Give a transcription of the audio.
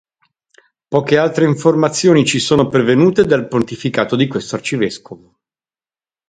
Poche altre informazioni ci sono pervenute del pontificato di questo arcivescovo.